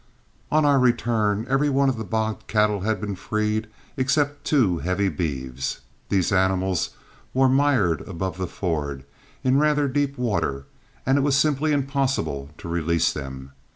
On our return every one of the bogged cattle had been freed except two heavy beeves. These animals were mired above the ford, in rather deep water, and it was simply impossible to release them.